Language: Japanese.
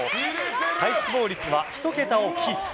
体脂肪率は１桁をキープ。